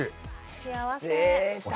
幸せ。